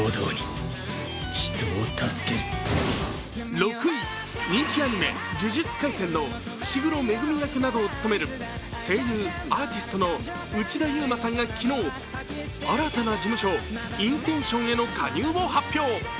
６位、人気アニメ「呪術廻戦」の伏黒恵役などを務める声優・アーティストの内田雄馬さんが昨日、新たな事務所、インテンションへの加入を発表。